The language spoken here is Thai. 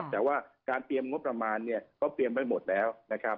แต่ว่าการเตรียมงบประมาณเขาเตรียมไปหมดแล้ว